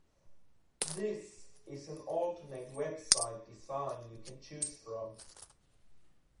This is an alternate website design you can choose from.